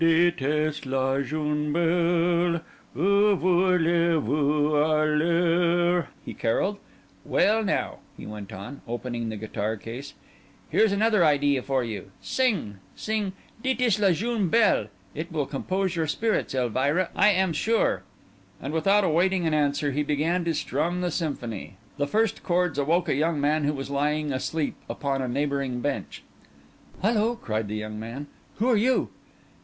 'Dites, la jeune belle, où voulez vous aller?'" he carolled. "Well, now," he went on, opening the guitar case, "there's another idea for you—sing. Sing 'Dites, la jeune belle!' It will compose your spirits, Elvira, I am sure." And without waiting an answer he began to strum the symphony. The first chords awoke a young man who was lying asleep upon a neighbouring bench. "Hullo!" cried the young man, "who are you?"